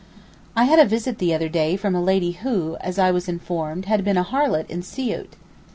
I had a visit the other day from a lady who, as I was informed, had been a harlot in Siout.